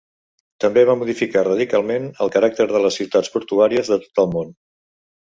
També va modificar radicalment el caràcter de les ciutats portuàries de tot el món.